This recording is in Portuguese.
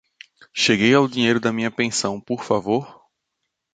Cheguei ao dinheiro da minha pensão, por favor?